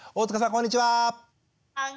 こんにちは。